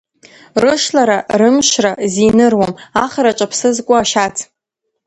Рышлара, рымшра зиныруам, ахраҿ аԥсы зку ашьац.